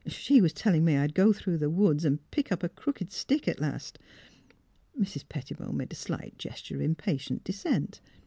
'' She was telling me I'd go through the woods and pick up a crooked stick at last." ■Mrs. Pettibone made a slight gesture of impa tient dissent.